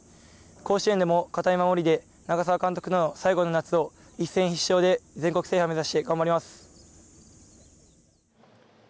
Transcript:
甲子園でも堅い守りで長澤監督との最後の夏を一戦必勝で全国制覇目指して頑張ります。